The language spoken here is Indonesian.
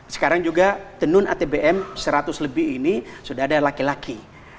sekarang juga tenun atbm seratus lebih ini sudah ada laki laki